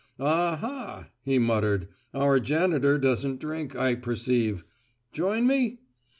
"Aha," he muttered, "our janitor doesn't drink, I perceive. Join me?"